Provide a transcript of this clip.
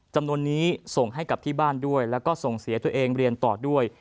จำนวนนี้ส่งให้กับที่บ้านด้วยแล้วก็ส่งเสียตัวเองเรียนต่อด้วย